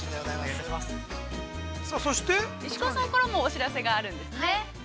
◆そして、石川さんからもお知らせです。